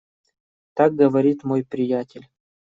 Так говорит мой приятель.